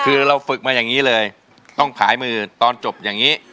คือเราฝึกมาอย่างนี้เลยต้องผ่ายมือตอนจบอย่างนี้